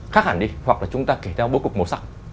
khác hẳn đi hoặc là chúng ta kể ra bối cục màu sắc